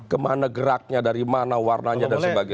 kemana geraknya dari mana warnanya dan sebagainya